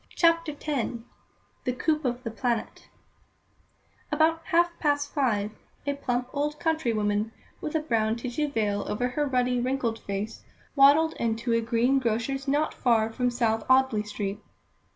CHAPTER X The Coup of "The Planet" About half past five, a plump old country woman, with a brown tissue veil over her ruddy, wrinkled face, waddled into a green grocer's not far from South Audley Street.